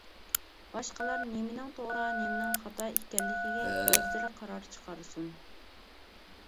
باشقىلار نېمىنىڭ توغرا، نېمىنىڭ خاتا ئىكەنلىكىگە ئۆزلىرى قارار چىقارسۇن.